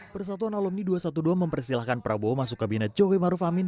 persatuan alumni dua ratus dua belas mempersilahkan prabowo masuk kabinet jokowi maruf amin